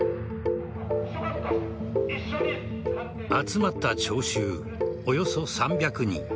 集まった聴衆およそ３００人。